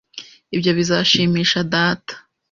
Ibyo bizashimisha data.